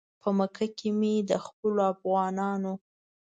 په مکه کې مې د خپلو افغانانو.